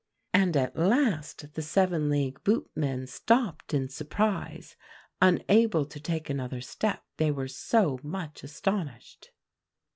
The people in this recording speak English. "And at last the seven league boot men stopped in surprise, unable to take another step, they were so much astonished.